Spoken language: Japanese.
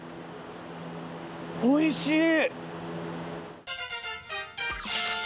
おいしい！